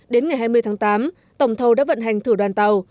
đến ngày hai mươi tháng tám tổng thầu đã vận hành thử đoàn tàu